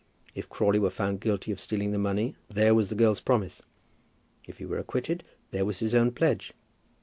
If Crawley were found guilty of stealing the money, there was the girl's promise. If he were acquitted, there was his own pledge.